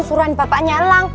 mau suruhan bapaknya alang